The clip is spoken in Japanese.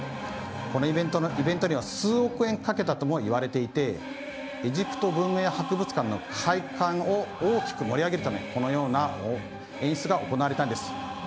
このイベントには数億円かけたともいわれていてエジプト文明博物館の開館を大きく盛り上げるためこのような演出が行われたんです。